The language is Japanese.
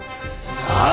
ああ！